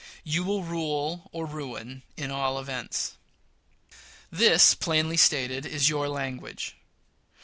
You will rule or ruin, in all events. This, plainly stated, is your language.